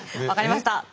分かりました。